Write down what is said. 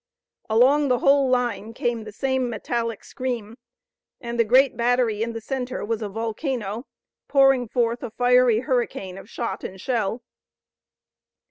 Along the whole line came the same metallic scream, and the great battery in the center was a volcano, pouring forth a fiery hurricane of shot and shell.